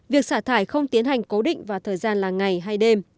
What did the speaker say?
việc xả thải không tiến hành cố định vào thời gian là ngày hay đêm